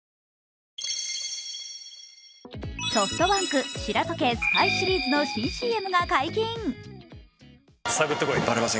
ソフトバンク白戸家スパイシリーズの新ＣＭが解禁。